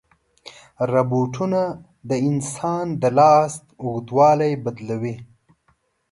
روبوټونه د انسان د لاس اوږدوالی بدلوي.